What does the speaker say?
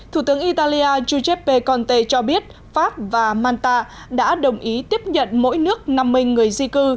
thủ tướng italia giuseppe conte cho biết pháp và manta đã đồng ý tiếp nhận mỗi nước năm mươi người di cư